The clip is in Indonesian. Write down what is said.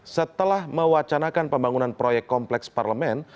setelah mewacanakan pembangunan proyek kompleks parlemen